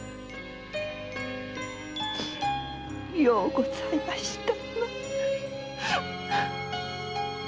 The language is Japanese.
ようございましたな。